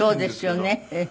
そうですよね。